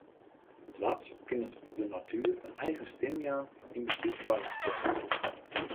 Twads kin it de natuer in eigen stim jaan yn beslútfoarmingsprosessen.